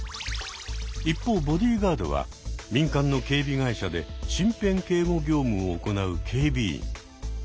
一方ボディーガードは民間の警備会社で身辺警護業務を行う警備員。